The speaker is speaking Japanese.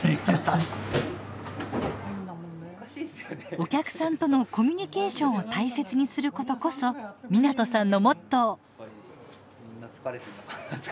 お客さんとのコミュニケーションを大切にすることこそ湊さんのモットー。